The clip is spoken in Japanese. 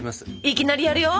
いきなりやるよ！